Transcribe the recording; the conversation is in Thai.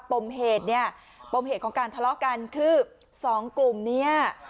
ปมเหตุเนี่ยปมเหตุของการทะเลาะกันคือสองกลุ่มเนี่ย